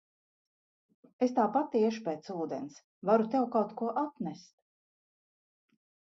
Es tāpat iešu pēc ūdens, varu tev kaut ko atnest.